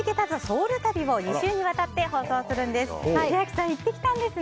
ソウル旅を２週にわたって放送するんです。